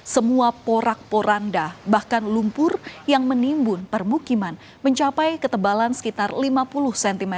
semua porak poranda bahkan lumpur yang menimbun permukiman mencapai ketebalan sekitar lima puluh cm